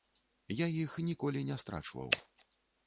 Я іх ніколі не страчваў.